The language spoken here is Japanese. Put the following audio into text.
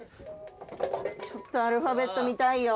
「ちょっとアルファベット見たいよ」